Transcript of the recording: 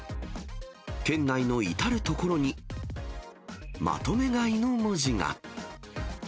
店内の至る所に、まとめ買いの文字が。